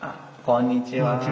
こんにちは。